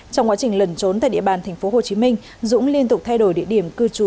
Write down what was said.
trong quá trình lần trốn tại địa bàn tp hcm dũng liên tục thay đổi địa điểm cư trú